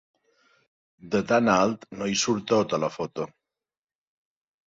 De tan alt no hi surt tot, a la foto.